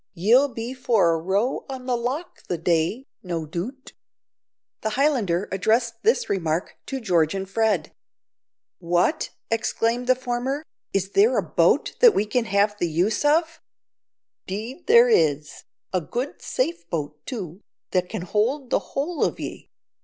Ye'll be for a row on the loch the day, no doot." The Highlander addressed this remark to George and Fred. "What!" exclaimed the former, "is there a boat that we can have the use of?" "'Deed is there, a good safe boat too, that can hold the whole of ye.